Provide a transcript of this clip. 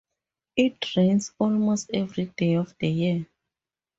It rains almost every day of the year.